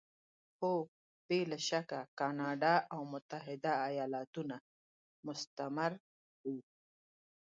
هو! بې له شکه کاناډا او متحده ایالتونه مستعمره وو.